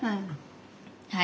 はい。